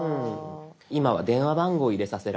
今は電話番号を入れさせられますね。